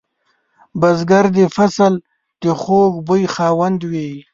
بزګر د فصل د خوږ بوی خاوند وي